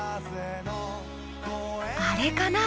あれかな？